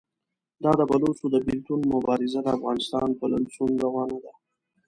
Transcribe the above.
دا د بلوڅو د بېلتون مبارزه د افغانستان په لمسون روانه ده.